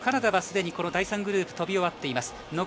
カナダはすでに第３グループが飛び終わっています。